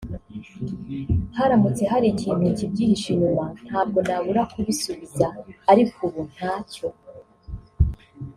haramutse hari ikintu kibyihishe inyuma ntago nabura kubisubiza ariko ubu ntacyo